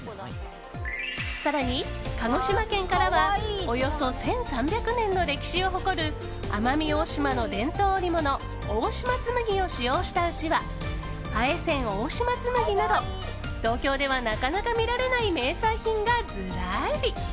更に鹿児島県からはおよそ１３００年の歴史を誇る奄美大島の伝統織物大島紬を使用したうちわ南風扇大島紬など東京ではなかなか見られない名産品がずらり。